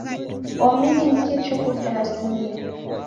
Omini ni kichuku kisarimilo.